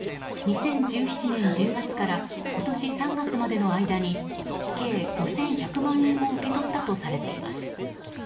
２０１７年１０月から今年３月までの間に計５１００万円を受け取ったとされています。